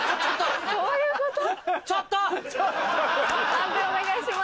判定お願いします。